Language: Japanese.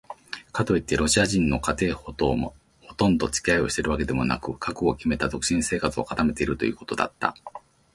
かといってロシア人の家庭ともほとんどつき合いをしているわけでもなく、覚悟をきめた独身生活を固めているということだった。